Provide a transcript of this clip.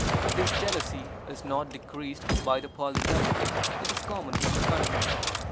This jealousy is not decreased by the polygamy which is common in the country.